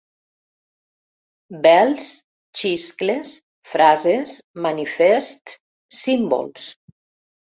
Bels, xiscles, frases, manifests, símbols.